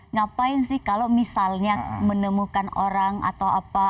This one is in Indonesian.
ngapain sih kalau misalnya menemukan orang atau apa